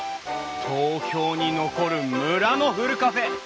東京に残る村のふるカフェ。